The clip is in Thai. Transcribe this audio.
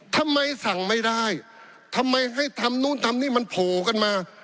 ทำไมสั่งไม่ได้ทำไมให้ทำนู่นทำนี่มันโผล่กันมา